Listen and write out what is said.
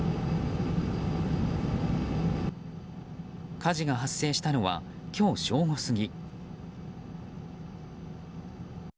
火事が発生したのは今日正午過ぎ。